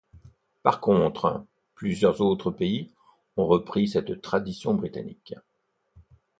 Par contre, plusieurs autres pays ont repris cette tradition britannique.